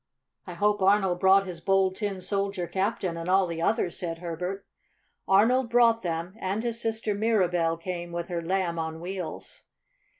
"I hope Arnold brought his Bold Tin Soldier Captain and all the others," said Herbert. Arnold brought them, and his sister Mirabell came with her Lamb on Wheels.